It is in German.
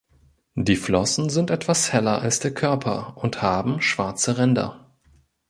Die Flossen sind etwas heller als der Körper und haben schwarze Ränder.